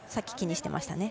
それも、さっき気にしていました。